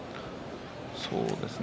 そうですね。